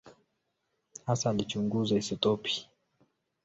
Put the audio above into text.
Hasa alichunguza isotopi.